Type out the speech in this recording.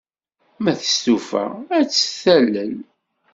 Ma testufa, ad tt-talel.